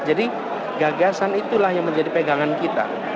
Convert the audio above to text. jadi gagasan itulah yang menjadi pegangan kita